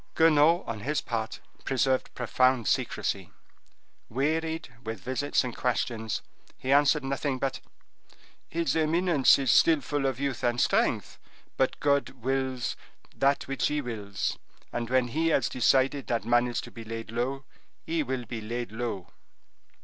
Guenaud, on his part, preserved profound secrecy; wearied with visits and questions, he answered nothing but "his eminence is still full of youth and strength, but God wills that which He wills, and when He has decided that man is to be laid low, he will be laid low."